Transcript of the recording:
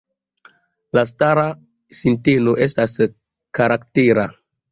La stara sinteno estas karaktera.